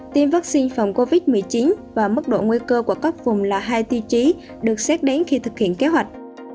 tiêm vaccine phòng covid một mươi chín và mức độ nguy cơ của các vùng là hai tiêu chí được xét đến khi thực hiện kế hoạch